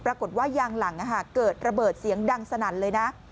ปรากฏว่ายางหลังเกิดระเบิดเสียงดังสนั่นเลยนะ